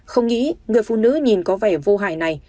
không nghĩ người phụ nữ nhìn có vẻ vô hại này